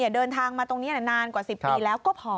เดินทางมาตรงนี้นานกว่า๑๐ปีแล้วก็พอ